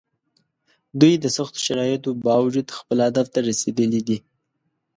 دوی د سختو شرایطو باوجود خپل هدف ته رسېدلي دي.